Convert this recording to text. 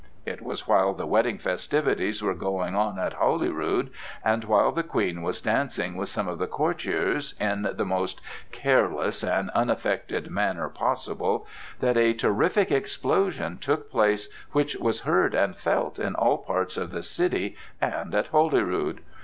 It was while the wedding festivities were going on at Holyrood and while the Queen was dancing with some of the courtiers in the most careless and unaffected manner possible, that a terrific explosion took place which was heard and felt in all parts of the city and at Holyrood.